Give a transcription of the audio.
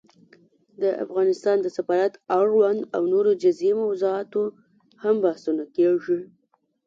د افغانستان د سفارت اړوند او نورو جزيي موضوعاتو هم بحثونه کېږي